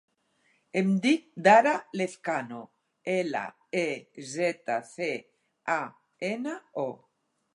Em dic Dara Lezcano: ela, e, zeta, ce, a, ena, o.